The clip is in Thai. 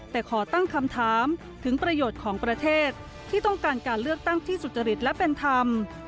แต่ขอตั้งคำถามถึงประโยชน์ของประเทศที่ต้องการการเลือกตั้งที่สุจริตและเป็นธรรม